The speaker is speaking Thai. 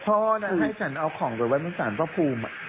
พ่อนะให้ฉันเอาของไปไว้บนสารพระภูมิ